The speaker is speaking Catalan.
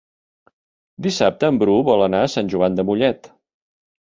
Dissabte en Bru vol anar a Sant Joan de Mollet.